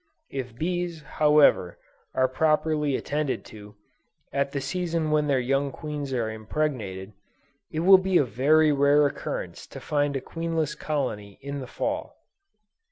If bees, however, are properly attended to, at the season when their young queens are impregnated, it will be a very rare occurrence to find a queenless colony in the Fall.